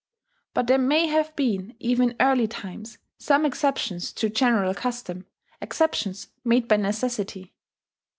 But there may have been, even in early times, some exceptions to general custom exceptions made by necessity.